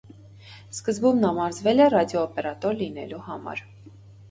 Սկզբում նա մարզվել է ռադիոօպերատոր լինելու համար։